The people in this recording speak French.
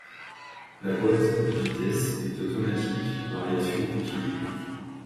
La boîte de vitesses est automatique à variation continue.